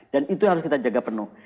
dan itu yang harus kita jaga penuh